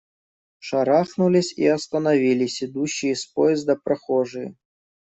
Шарахнулись и остановились идущие с поезда прохожие.